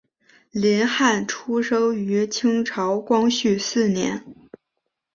林翰生于清朝光绪四年。